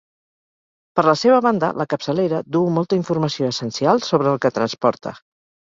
Per la seva banda, la capçalera duu molta informació essencial sobre el que transporta.